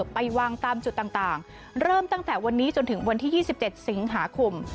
ไปวางตามจุดต่างเริ่มตั้งแต่วันนี้จนถึงวันที่๒๗สิงหาคม